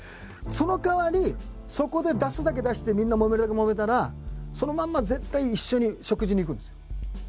そのかわりそこで出すだけ出してみんなもめるだけもめたらそのまんま絶対一緒に食事に行くんですよ。